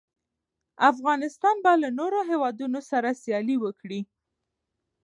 افغانستان به له نورو هېوادونو سره سیالي وکړي.